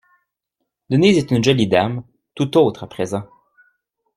Denise est une jolie dame, tout autre à présent.